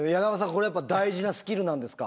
これやっぱ大事なスキルなんですか？